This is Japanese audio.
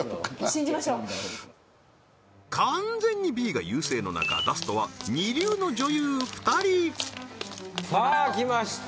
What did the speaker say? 信じましょう完全にＢが優勢の中ラストは二流の女優２人さあ来ました